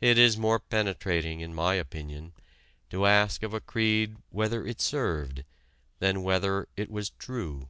It is more penetrating, in my opinion, to ask of a creed whether it served than whether it was "true."